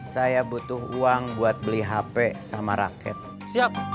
saya butuh uang buat beli hp sama rak implementationan tes yol psychology